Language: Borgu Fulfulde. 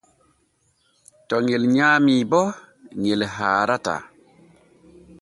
To ŋel nyaami bo ŋel haarataa.